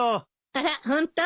あらホント？